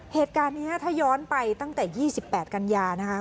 เหตุการณ์อันนี้ทัย้อนไปตั้งแต่ยี่สิบแปดกันยานะคะ